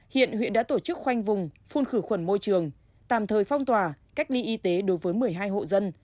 hiện huyện đã tổ chức khoanh vùng phun khử khuẩn môi trường tạm thời phong tỏa cách ly y tế đối với một mươi hai hộ dân